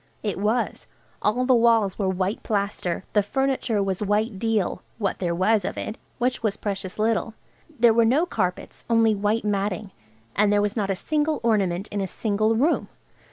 It was. All the walls were white plaster, the furniture was white deal–what there was of it, which was precious little. There were no carpets–only white matting. And there was not a single ornament in a single room!